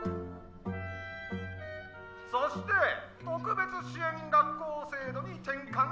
そして特別支援学校制度に転換しました。